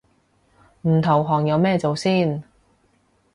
唔投降有咩做先